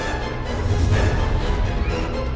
ya kita kembali ke sekolah